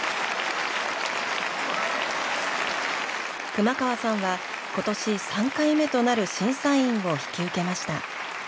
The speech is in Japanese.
熊川さんは今年３回目となる審査員を引き受けました。